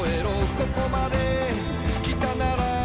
「ここまできたなら」